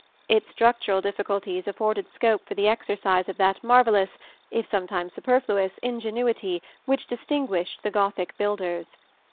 Its structural difficulties afforded scope for the exercise of that marvellous, if sometimes superfluous, ingenuity which distinguished the Gothic builders.